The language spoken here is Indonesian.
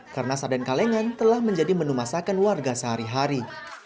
karena sarden kalengan telah menjadi menu masakan warga sehari hari